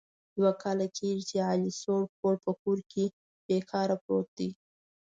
دوه کال کېږي چې علي سوړ پوړ په کور کې بې کاره پروت دی.